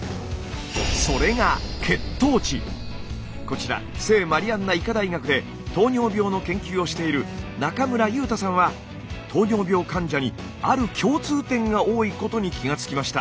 それがこちら聖マリアンナ医科大学で糖尿病の研究をしている中村祐太さんは糖尿病患者にある共通点が多いことに気がつきました。